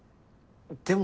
でも。